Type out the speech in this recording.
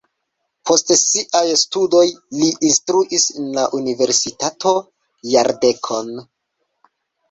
Post siaj studoj li instruis en la universitato jardekon.